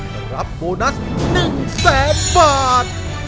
แต่รับโบนัส๑๐๐๐บาท